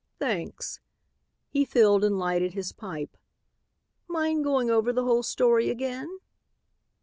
"Thanks." He filled and lighted his pipe. "Mind going over the whole story again?"